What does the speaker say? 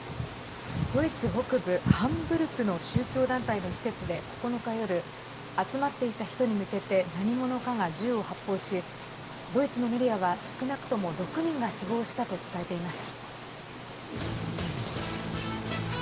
ドイツ北部ハンブルクの宗教団体の施設で９日夜集まっていた人に向けて何者かが銃を発砲しドイツのメディアは少なくとも６人が死亡したと伝えています。